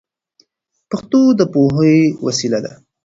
پښتو د پوهې وسیله ده.